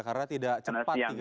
karena tidak cepat